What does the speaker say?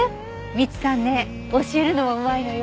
未知さんね教えるのもうまいのよ。